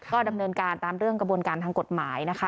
ก็ดำเนินการตามเรื่องกระบวนการทางกฎหมายนะคะ